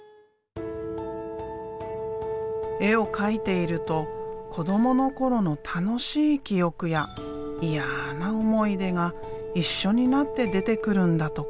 絵を描いていると子どもの頃の楽しい記憶や嫌な思い出が一緒になって出てくるんだとか。